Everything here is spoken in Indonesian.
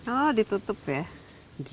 oh ditutup ya